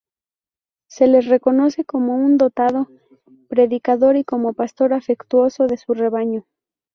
Se le reconoce como un dotado predicador y como pastor afectuoso de su rebaño.